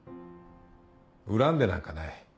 恨んでなんかない。